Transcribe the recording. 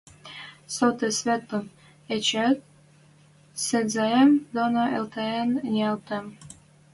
Соты светӹм эчеӓт сӹнзӓэм доно элтӓлен ниӓлтем!